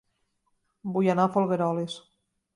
Vull anar a Folgueroles